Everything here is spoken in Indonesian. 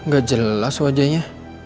gak jelas wajahnya